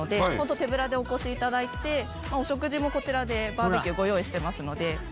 手ぶらでお越しいただいてお食事もこちらでバーベキューご用意してますので。